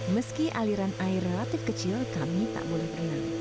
meski aliran air relatif kecil kami tak boleh berenang